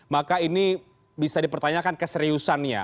maka ini bisa dipertanyakan keseriusannya